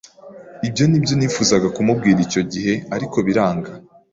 ibyo nibyo nifuzaga kumubwira icyo gihe ariko biranga